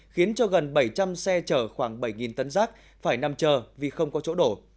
khiến cho gần bảy trăm linh xe chở khoảng bảy tấn rác phải nằm chờ vì không có chỗ đổ